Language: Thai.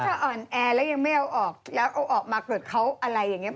ถ้าอ่อนแอแล้วยังไม่เอาออกแล้วเอาออกมาเกิดเขาอะไรอย่างนี้